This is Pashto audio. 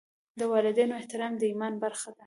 د والدینو احترام د ایمان برخه ده.